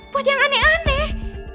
buat yang aneh aneh